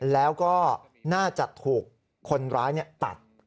แล้วก็น่าจะถูกคนร้ายตัด